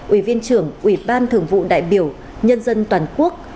ủy viên trưởng ủy ban thường vụ đại biểu nhân dân toàn quốc